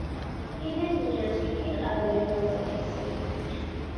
He then returns to kill other members of his unit.